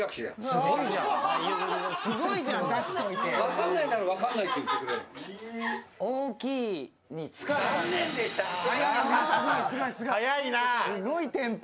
すごいテンポ。